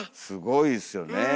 すごいですよね。